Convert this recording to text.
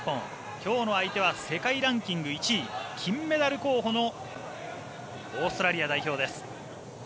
今日の相手は世界ランキング１位金メダル候補のオーストラリア代表です。